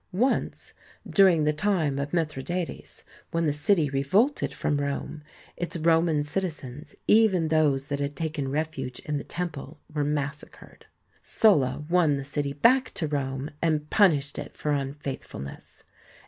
Once, during the time of Mithridates, when the city THE TEMPLE OF DIANA 119 revolted from Rome, its Roman citizens, even those that had taken refuge in the temple, were massacred. Sulla won the city back to Rome and punished it for unfaithfulness.